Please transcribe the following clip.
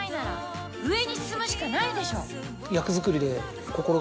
上に進むしかないでしょ。